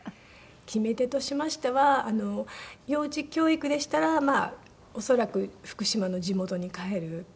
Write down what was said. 決め手としましては幼児教育でしたら恐らく福島の地元に帰る。